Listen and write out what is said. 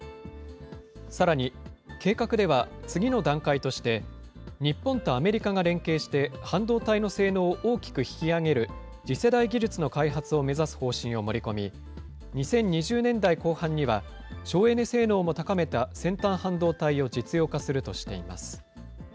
さらに、計画では次の段階として、日本とアメリカが連携して、半導体の性能を大きく引き上げる、次世代技術の開発を目指す方針を盛り込み、２０２０年代後半には、省エネ性能も高めた先端半導体を実用化するとしています。